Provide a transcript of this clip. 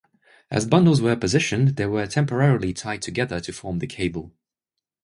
As bundles were positioned, they were temporarily tied together to form the cable.